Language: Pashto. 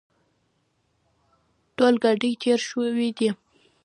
ټول ګاډي تېر شوي دي.